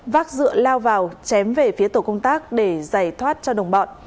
vác dựa lao vào chém về phía tổ công tác để giải thoát cho đồng bọn